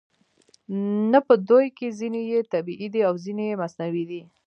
نه په دوی کې ځینې یې طبیعي دي او ځینې یې مصنوعي دي